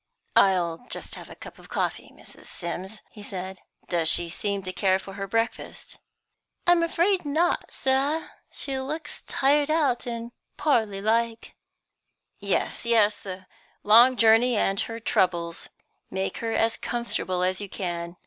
"I'll just have a cup of coffee, Mrs. Sims," he said. "Does she seem to care for her breakfast?" "I'm afraid not, sir; she looks tired out, and poorly like." "Yes, yes; the long journey and her troubles. Make her as comfortable as you can.